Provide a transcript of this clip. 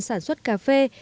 sản xuất cây cà phê này